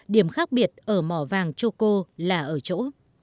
điểm khác biệt ở mỏ vàng chuco là ở chỗ